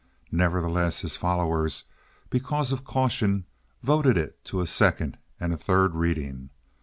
Nevertheless, his followers, because of caution, voted it to a second and a third reading.